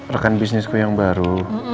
rekan bisnisku yang baru